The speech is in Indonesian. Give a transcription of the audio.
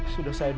sudah saya doang